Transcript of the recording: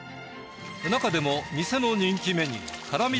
中でも店の人気メニュー辛味